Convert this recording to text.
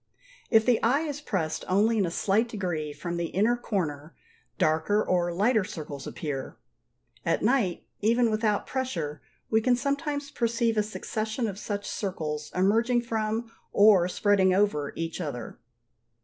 If the eye is pressed only in a slight degree from the inner corner, darker or lighter circles appear. At night, even without pressure, we can sometimes perceive a succession of such circles emerging from, or spreading over, each other.